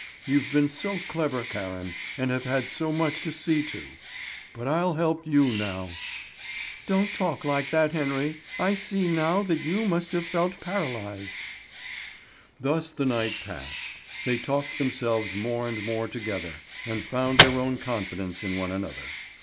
You've been so clever, Karen, and have had so much to see to. But I'll help you now." "Don't talk like that, Henry! I see now that you must have felt paralysed." Thus the night passed. They talked themselves more and more together, and found their own confidence in one another.